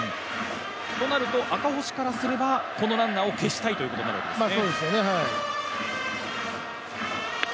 となると赤星からすればこのランナーを消したいということになるんですね。